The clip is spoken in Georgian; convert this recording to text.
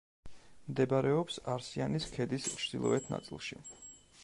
მდებარეობს არსიანის ქედის ჩრდილოეთ ნაწილში.